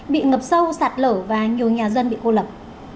bị ngập sâu sạt lở và nhiều nhà dân bị cô lập